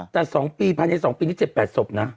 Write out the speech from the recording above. แต่ภายใน๒ปีนี้เจ็บแปดสบนะ